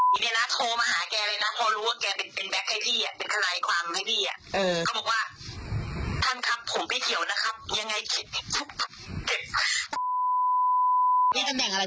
เดี๋ยวนะโทรมาหาแกเลยนะเพราะรู้ว่าแกเป็นแบคไทยที่เนี่ยเป็นขนาดไอ้ความไทยที่เนี่ย